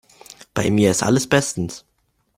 Bei mir ist alles bestens.